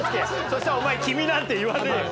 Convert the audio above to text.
そしたらお前君なんて言わねえよ。